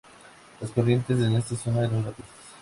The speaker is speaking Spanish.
Las corrientes en esta zona eran rápidas.